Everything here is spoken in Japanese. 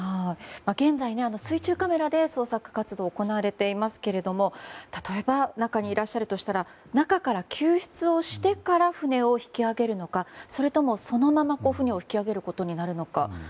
現在、水中カメラで捜索活動が行われていますけど例えば中にいらっしゃるとしたら中から救出をしてから船を引き揚げるのかそれともそのまま船を引き揚げることになるのか。